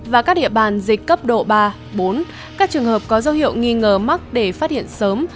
và các địa bàn dịch cấp độ ba bốn các trường hợp có dấu hiệu nghi ngờ mắc để phát hiện sớm